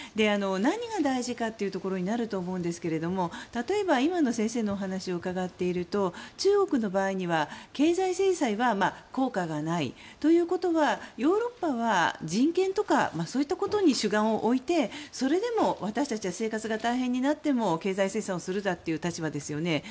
何が大事かというところになると思いますが例えば、今の先生のお話を伺っていると中国の場合には経済制裁は効果がない。ということは、ヨーロッパは人権とかそういったことに主眼を置いて、それでも私たちは生活が大変になっても経済制裁をするんだという立場ですよね。